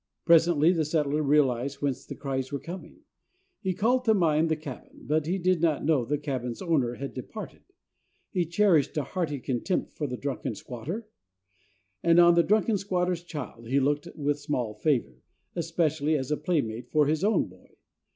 Presently the settler realized whence the cries were coming. He called to mind the cabin; but he did not know the cabin's owner had departed. He cherished a hearty contempt for the drunken squatter; and on the drunken squatter's child he looked with small favor, especially as a playmate for his own boy.